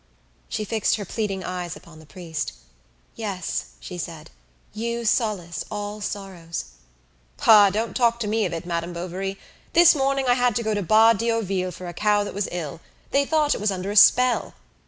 She fixed her pleading eyes upon the priest. "Yes," she said, "you solace all sorrows." "Ah! don't talk to me of it, Madame Bovary. This morning I had to go to Bas Diauville for a cow that was ill; they thought it was under a spell.